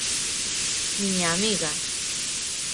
Miña amiga.